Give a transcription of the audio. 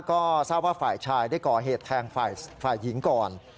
ก็ทราบว่าฝ่ายชายได้ก่อเหตุแทงฝ่ายหญิงก่อน